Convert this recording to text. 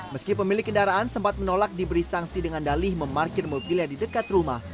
meski pemilik kendaraan sempat menolak diberi sanksi dengan dalih memarkir mobilnya di dekat rumah